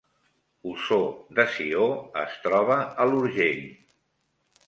Ossó de Sió es troba a l’Urgell